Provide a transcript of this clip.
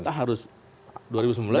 kita harus dua ribu sembilan belas harus sungguh